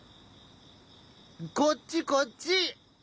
こっちこっち！